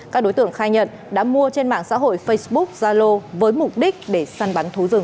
các đối tượng khai nhận đã mua trên mạng xã hội facebook zalo với mục đích để săn bắn thú rừng